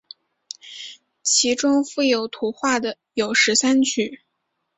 其中附有图画的有十三曲。